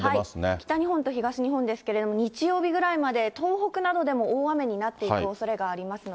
北日本と東日本ですけれども、日曜日ぐらいまで、東北などでも大雨になっていくおそれがありますので。